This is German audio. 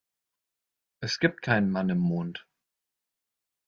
Es gibt keinen Mann im Mond.